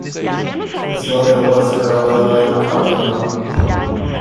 His mother was Gueraldona Carlino.